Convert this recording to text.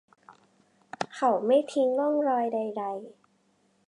เขาไม่ทิ้งร่องรอยใด ๆ